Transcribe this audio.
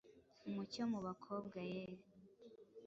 Umucyo mu bakobwa, yeee